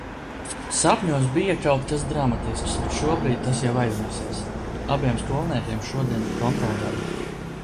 Sapņos bija kaut kas dramatisks, bet šobrīd tas jau aizmirsies. Abiem skolniekiem šodien kontroldarbi.